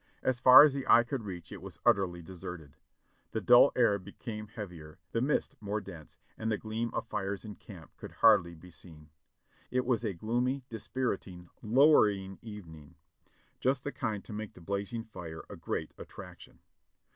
As far as the eye could reach it was utterly deserted. The dull air became heavier, the mist more dense, and the gleam of fires in camp could hardly be seen. It was a gloomy, dispiriting, lowering evening; just the kind to make the blazing fire a great attraction.